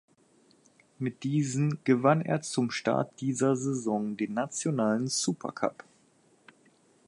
Mit diesen gewann er zum Start dieser Saison den nationalen Supercup.